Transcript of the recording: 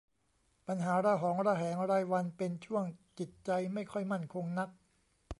ปัญหาระหองระแหงรายวัน เป็นช่วงจิตใจไม่ค่อยมั่นคงนัก